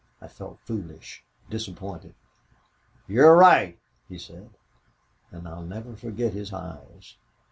I felt foolish, disappointed. "'You're right,' he said, 'and I'll never forget his eyes.